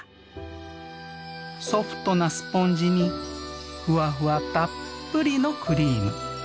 ソフトなスポンジにふわふわたっぷりのクリーム。